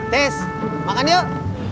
tes makan yuk